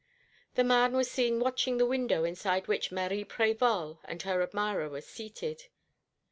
The man was seen watching the window inside which Marie Prévol and her admirer were seated.